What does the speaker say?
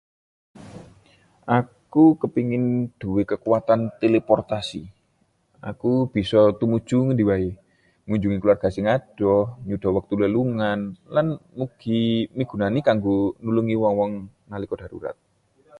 Aku kepengin nduwé kekuwatan teleportasi: bisa langsung tumuju ngendi wae, ngunjungi keluarga sing adoh, nyuda wektu lelungan, lan mugi migunani kanggo nulungi wong-wong nalika darurat.